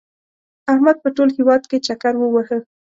احمد په ټول هېواد کې چکر ووهه.